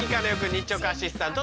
日直アシスタント